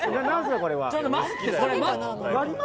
これは。